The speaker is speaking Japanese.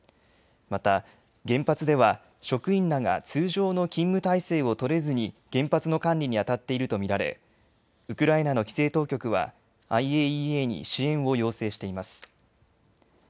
また原発では職員らが通常の勤務態勢を取れずに原発の管理にあたっていると見られウクライナの規制当局はＩＡＥＡに支援を要請しています。